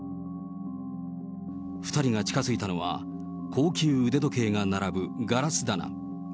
２人が近づいたのは、高級腕時計が並ぶガラス棚。